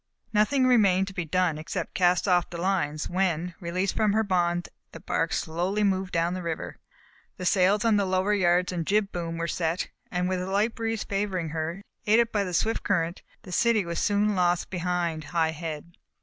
Nothing remained to be done except to cast off the lines, when, released from her bonds the bark slowly moved down the river. The sails on the lower yards and jib boom were set, and with a light breeze favoring her, aided by the swift current, the city was soon lost behind High Head.